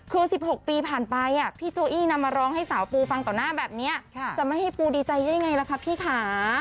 คือ๑๖ปีผ่านไปพี่โจอี้นำมาร้องให้สาวปูฟังต่อหน้าแบบนี้จะไม่ให้ปูดีใจได้ยังไงล่ะคะพี่ค่ะ